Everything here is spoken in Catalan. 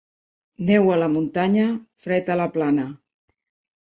Neu a la muntanya, fred a la plana.